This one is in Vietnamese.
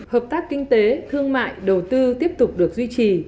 hợp tác kinh tế thương mại đầu tư tiếp tục được duy trì